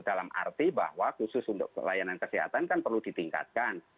dalam arti bahwa khusus untuk layanan kesehatan kan perlu ditingkatkan